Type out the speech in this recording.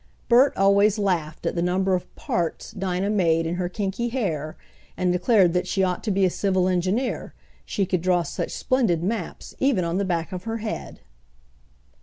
Bert always laughed at the number of "parts" Dinah made in her kinky hair, and declared that she ought to be a civil engineer, she could draw such splendid maps even on the back of her head.